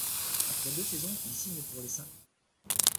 Après deux saisons, il signe pour les Saints.